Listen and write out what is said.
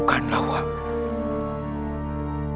tenanglah keponakan ku